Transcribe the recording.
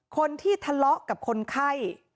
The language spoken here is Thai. คนที่ทะเลาะกับคนไข้